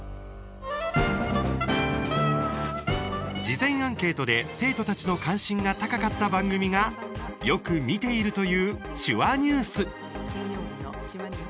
事前アンケートで生徒たちの関心が高かった番組がよく見ているという「手話ニュース」。